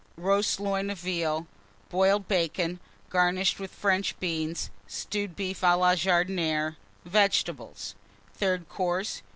Roast Loin of Veal. Boiled Bacon, garnished with French Beans. Stewed Beef à la Jardinière. Vegetables. THIRD COURSE.